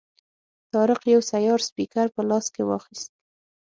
طارق یو سیار سپیکر په لاس کې واخیست.